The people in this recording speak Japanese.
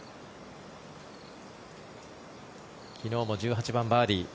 昨日も１８番バーディー。